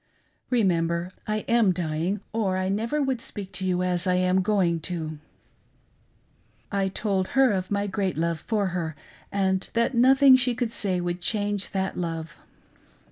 Remember, I am dying, or I never would speak to you as I am going to." I told her of my great love for her, and that nothing that she could say would change that love.